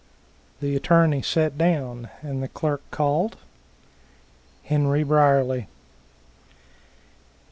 The attorney sat down, and the clerk called? "Henry Brierly."